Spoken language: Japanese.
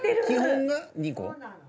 基本が２個？